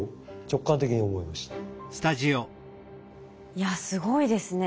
いやすごいですね。